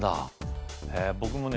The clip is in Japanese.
僕もね